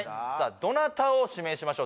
どなたを指名しましょう？